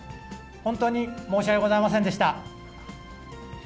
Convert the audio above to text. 本当に申し訳ございませんでした。